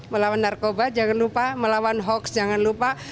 melawan narkoba jangan lupa melawan hoaks jangan lupa